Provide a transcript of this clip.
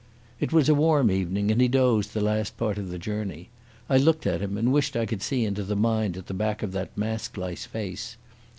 It was a warm evening and he dozed the last part of the journey. I looked at him and wished I could see into the mind at the back of that mask like face.